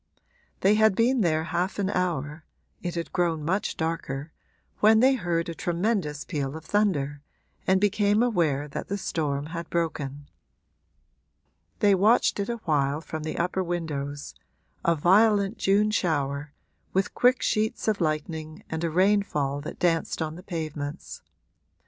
They had been there half an hour it had grown much darker when they heard a tremendous peal of thunder and became aware that the storm had broken. They watched it a while from the upper windows a violent June shower, with quick sheets of lightning and a rainfall that danced on the pavements.